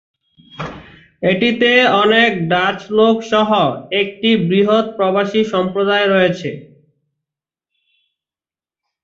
এটিতে অনেক ডাচ লোক সহ একটি বৃহৎ প্রবাসী সম্প্রদায় রয়েছে।